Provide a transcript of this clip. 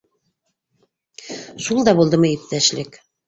Шул да булдымы иптәшлек?